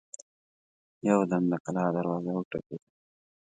يودم د کلا دروازه وټکېده.